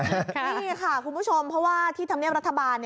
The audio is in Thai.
นี่ค่ะคุณผู้ชมเพราะว่าที่ธรรมเนียบรัฐบาล